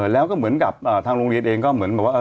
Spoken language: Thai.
แล้วก็เหมือนกับทางโรงเรียนเองก็เหมือนแบบว่า